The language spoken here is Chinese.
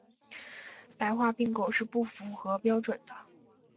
白化病狗是不合标准的。